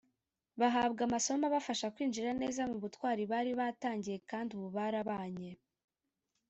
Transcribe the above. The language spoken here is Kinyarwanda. bahabwa amasomo abafasha kwinjira neza mu butwari bari batangiye kandi ubu barabanye